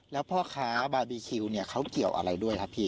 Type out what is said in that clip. แล้วพ่อค้าบาร์บีคิวเนี่ยเขาเกี่ยวอะไรด้วยครับพี่